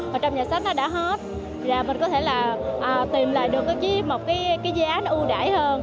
mà trong nhà sách nó đã hết rồi mình có thể là tìm lại được cái giá nó ưu đải hơn